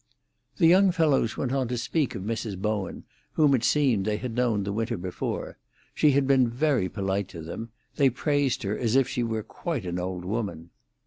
The young fellows went on to speak of Mrs. Bowen, whom it seemed they had known the winter before. She had been very polite to them; they praised her as if she were quite an old woman.